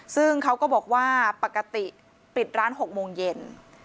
ซึ่งเขาก็บอกว่าปกติปิดร้าน๖โมงเย็น